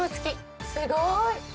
すごい！